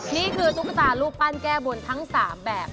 นี่คือตุ๊กตารูปปั้นแก้บนทั้ง๓แบบ